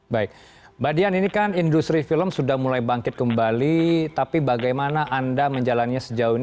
baik mbak dian ini kan industri film sudah mulai bangkit kembali tapi bagaimana anda menjalannya sejauh ini